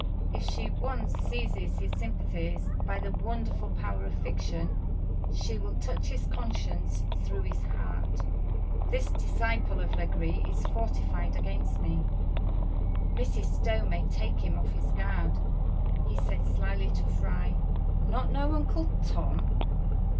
If she once seizes his sympathies by the wonderful power of fiction, she will touch his conscience through his heart. This disciple of Legree is fortified against me; Mrs. Stowe may take him off his guard. He said slyly to Fry, 'Not know Uncle Tom!